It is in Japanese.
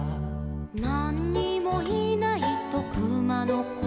「なんにもいないとくまのこは」